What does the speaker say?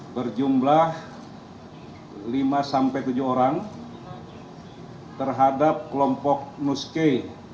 berjumlah lima tujuh orang terhadap kelompok nus kay